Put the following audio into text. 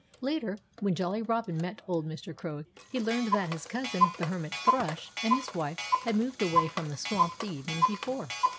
Later, when Jolly Robin met old Mr. Crow, he learned that his cousin, the Hermit Thrush, and his wife had moved away from the swamp the evening before.